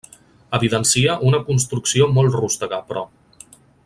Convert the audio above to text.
Evidencia una construcció molt rústega, però.